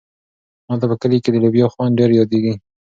ما ته په کلي کې د لوبیا خوند ډېر یادېږي.